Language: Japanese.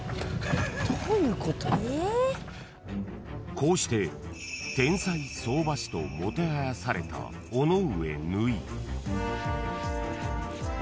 ［こうして天才相場師ともてはやされた尾上縫］